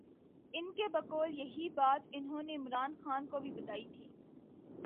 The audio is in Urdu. ان کے بقول یہی بات انہوں نے عمران خان کو بھی بتائی تھی۔